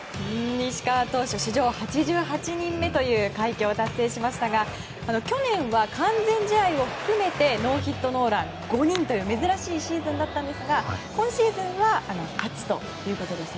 石川投手史上８８人目という快挙を達成しましたが去年は完全試合を含めてノーヒットノーラン５人という珍しいシーズンだったんですが今シーズンは初ということです。